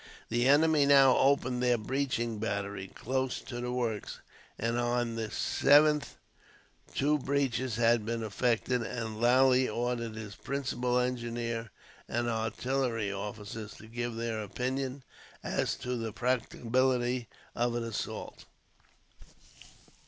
The enemy now opened their breaching battery close to the works, and on the 7th two breaches had been effected, and Lally ordered his principal engineer and artillery officers to give their opinion as to the practicability of an assault.